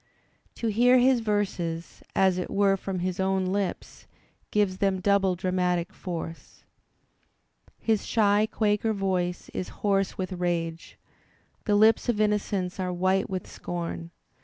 To hear his verses, as it were from his own lips, gives them double dramatic force. His shy Quaker voice is hoarse with rage, the lips of innocence are white with scorn.